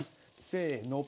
せの！